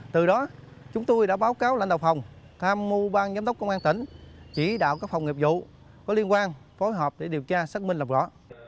từ đó chúng tôi đã báo cáo lãnh đạo phòng tham mưu bang giám đốc công an tỉnh chỉ đạo các phòng nghiệp vụ có liên quan phối hợp để điều tra xác minh lập rõ